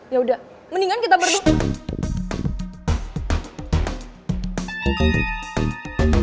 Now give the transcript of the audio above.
yaudah mendingan kita berdua